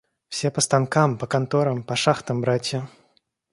Все по станкам, по конторам, по шахтам братья.